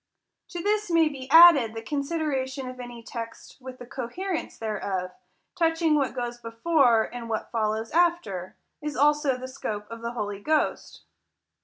To this may be added, the consideration of any text with the coherence thereof, touching what goes before, and what follows after; as also the scope of the Holy Ghost.